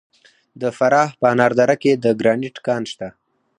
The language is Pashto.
د فراه په انار دره کې د ګرانیټ کان شته.